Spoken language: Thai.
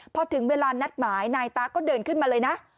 พอถึงเวลานัดหมายนายตาก็เดินขึ้นมาเลยนะ